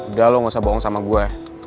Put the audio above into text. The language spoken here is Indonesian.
udah lo gak usah bohong sama gue